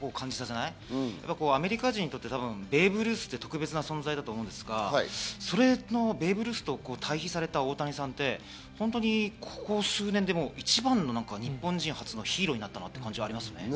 ベーブ・ルースってアメリカ人にとって特別だと思うんですけど、そのベーブ・ルースと対比された大谷さんってここ数年で一番の日本人初のヒーローになったなという感じがありますね。